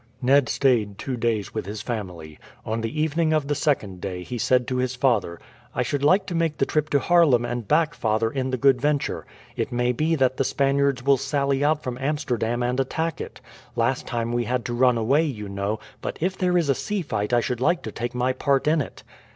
Ned stayed two days with his family. On the evening of the second day he said to his father: "I should like to make the trip to Haarlem and back, father, in the Good Venture. It may be that the Spaniards will sally out from Amsterdam and attack it. Last time we had to run away, you know; but if there is a sea fight I should like to take my part in it."